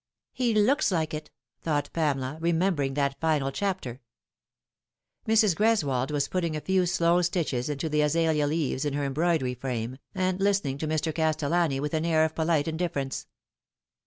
" He looks like it," thought Pamela, remembering that final chapter. Mrs. Greswold was putting a few slow stitches into the azalea jeaves on her embroidery frame, and listening to Mr. Castellani with an air of polite indifference.